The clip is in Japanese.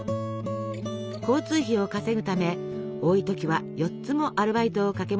交通費を稼ぐため多い時は４つもアルバイトを掛け持ちしていたとか。